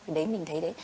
thì đấy mình thấy đấy